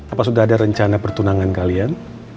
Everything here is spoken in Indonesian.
apa sudah ada rencana pertunangan kalian